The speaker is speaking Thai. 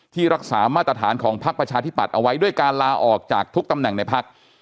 รักษามาตรฐานของพักประชาธิปัตย์เอาไว้ด้วยการลาออกจากทุกตำแหน่งในพัก